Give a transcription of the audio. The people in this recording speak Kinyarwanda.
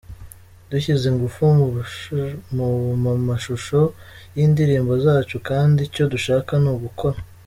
dushyize ingufu mu mashusho yindirimbo zacu kandi icyo dushaka ni ugukora.